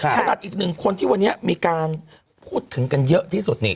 ถ้าถัดอีก๑คนที่วันนี้มีการพูดถึงกันเยอะที่สุดนี่